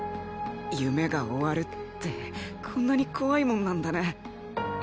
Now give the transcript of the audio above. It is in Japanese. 夢が終わるってこんなに怖いもんなんだな。